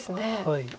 はい。